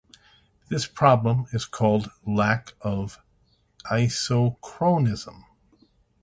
This problem is called lack of isochronism.